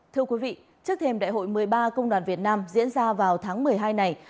thưa quý vị trước thêm đại hội một mươi ba công đoàn việt nam diễn ra vào tháng một mươi hai này